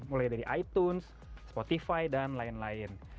mulai dari itunes spotify dan lain lain